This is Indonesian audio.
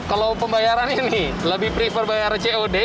kalau pembayaran ini lebih prefer bayar cod